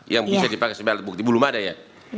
yang bisa dipakai sebagai alat bukti belum ada ya